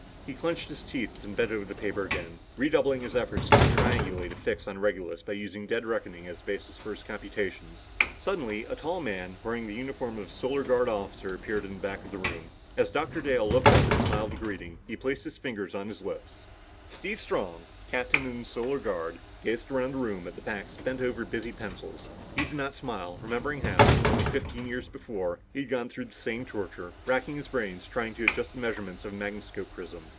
He clenched his teeth and bent over the paper again, redoubling his efforts to triangulate a fix on Regulus by using dead reckoning as a basis for his computations. Suddenly a tall man, wearing the uniform of a Solar Guard officer, appeared in the back of the room. As Dr. Dale looked up and smiled a greeting, he placed his finger on his lips. Steve Strong, Captain in the Solar Guard, gazed around the room at the backs bent over busy pencils. He did not smile, remembering how, only fifteen years before, he had gone through the same torture, racking his brains trying to adjust the measurements of a magnascope prism.